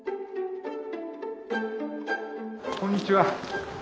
こんにちは。